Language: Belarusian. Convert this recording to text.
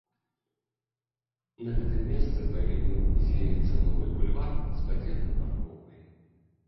На гэтым месцы павінен з'явіцца новы бульвар з падземнай паркоўкай.